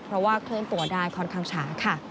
เพราะว่าเคลื่อนตัวได้ค่อนข้างช้าค่ะ